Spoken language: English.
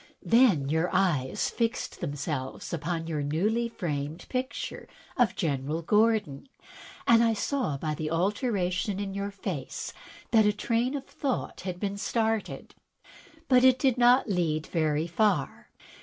Then your eyes fixed themselves upon your newly framed picture of General Gordon, and I saw by the alteration in your face that a train of thought had been started. But it did not lead very far.